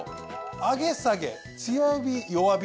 上げ下げ強火弱火。